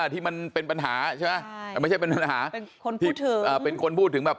ที่มันเป็นปัญหาใช่ไหมไม่ใช่เป็นปัญหาเป็นคนพูดถึง